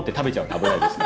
食べないでしょ！